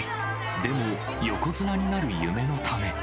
でも、横綱になる夢のため。